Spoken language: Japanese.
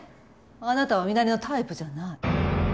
あなたはミナレのタイプじゃない。